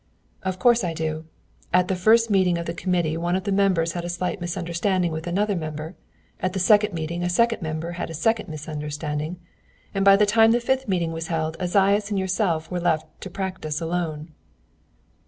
"Of course I do. At the first meeting of the committee one of the members had a slight misunderstanding with another member, at the second meeting a second member had a second misunderstanding, and by the time the fifth meeting was held Esaias and yourself were left to practise alone."